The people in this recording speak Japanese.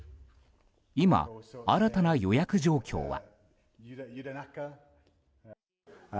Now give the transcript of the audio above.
今、新たな予約状況は。